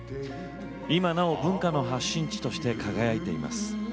今なお文化の発信地として輝いています。